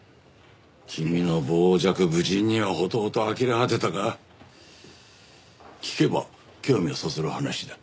君の傍若無人にはほとほとあきれ果てたが聞けば興味をそそる話だ。